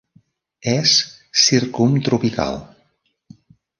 És circumtropical.